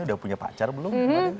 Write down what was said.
udah punya pacar belum